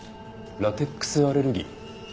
ラテックスアレルギー？